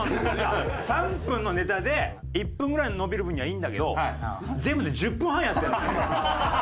３分のネタで１分ぐらい延びる分にはいいんだけど全部で１０分半やってるのよ。